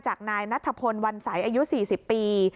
นายนัทพลวันใสอายุ๔๐ปี